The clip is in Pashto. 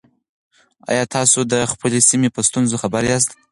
آیا تاسو د خپلې سیمې په ستونزو خبر یاست؟